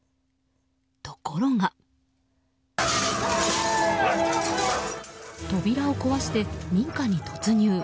ところが扉を壊して民家に突入。